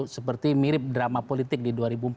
seperti mirip drama politik di dua ribu empat belas